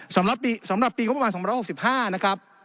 สำหรับปีสำหรับปีงบประมาณ๒๖๖๕นะครับ